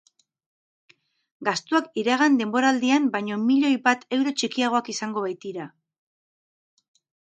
Gastuak iragan denboraldian baino milioi bat euro txikiagoak izango baitira.